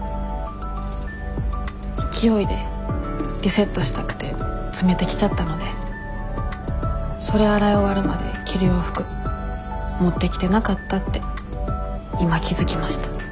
勢いでリセットしたくて詰めてきちゃったのでそれ洗い終わるまで着る洋服持ってきてなかったって今気付きました。